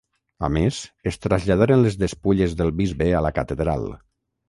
A més, es traslladaren les despulles del bisbe a la catedral.